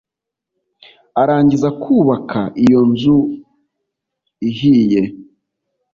arangiza kubaka iyo nzu ihiye